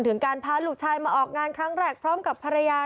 ถึงการพาลูกชายมาออกงานครั้งแรกพร้อมกับภรรยา